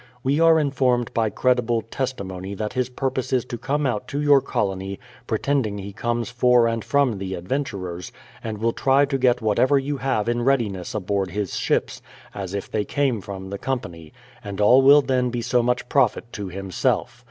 We are informed by credible testimony that his purpose is to come out to your colony, pretending he comes for and from the adventurers, and will try to get whatever you have in readiness aboard his ships, as if they came from the company; and all will then be so much profit to himself.